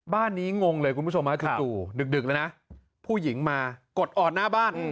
บ้านนี้งงเลยคุณผู้ชมจู่ดึกแล้วนะผู้หญิงมากดออดหน้าบ้าน